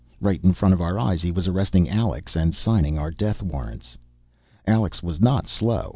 Right in front of our eyes he was arresting Alex and signing our death warrants. Alex was not slow.